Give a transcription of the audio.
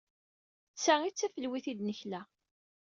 D ta ay d tafelwit ay d-nekla.